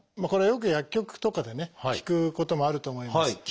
これよく薬局とかでね聞くこともあると思います。